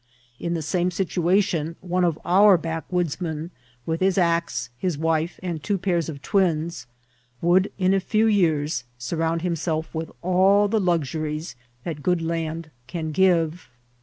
In the same situation, one of our backwoodsmen, with his axe, his wife, and two pairs of twins, would in a few years surround him* self with all the luxuries that good land can gire.